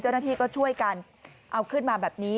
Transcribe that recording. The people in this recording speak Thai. เจ้าหน้าที่ก็ช่วยกันเอาขึ้นมาแบบนี้